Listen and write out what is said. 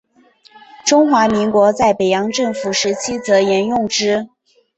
中华民国在北洋政府时期则沿用之。